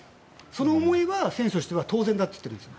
その思いは選手としては当然だと言ってるんです。